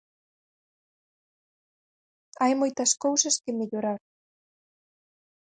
Hai moitas cousas que mellorar.